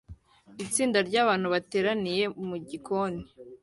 Itsinda ryabantu bateraniye mu gikoni